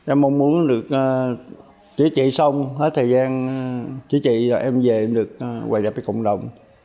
em mong muốn được chữa trị xong hết thời gian chữa trị rồi em về em được quay lại với cộng đồng